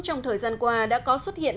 trong thời gian qua đã có xuất hiện